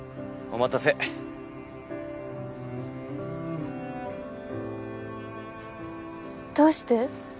お待たせどうして？